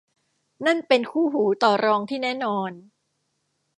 นั่นเป็นคู่หูต่อรองที่แน่นอน